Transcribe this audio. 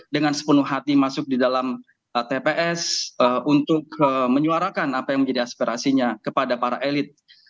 dengan sepenuh hati masuk di dalam tps untuk menyuarakan apa yang menjadi aspirasinya kepada para elit